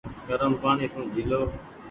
گرم پآڻيٚ سون جيهلو ۔